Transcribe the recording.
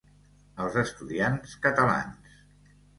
Els estudiants catalans s